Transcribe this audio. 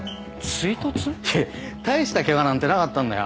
いや大したケガなんてなかったんだよ。